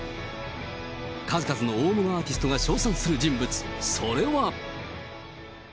数々の大物アーティストが称賛する人物、それは。